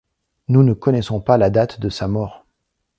Nous ne connaissons pas la date de sa mort.